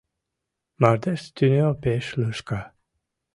Мардеж тӱнӧ пеш лӱшка